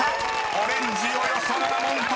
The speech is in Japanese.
「オレンジ」およそ７万ｔ］